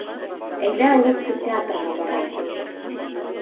Әйҙә, лутсы театрға барайыҡ.